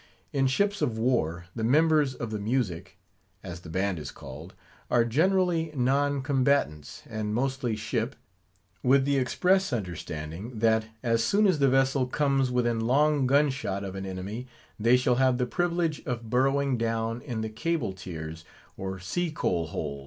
In ships of war, the members of the "music," as the band is called, are generally non combatants; and mostly ship, with the express understanding, that as soon as the vessel comes within long gun shot of an enemy, they shall have the privilege of burrowing down in the cable tiers, or sea coal hole.